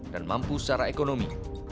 dan mampu secara ekonomi